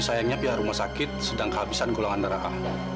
sayangnya pihak rumah sakit sedang kehabisan gulangan darah a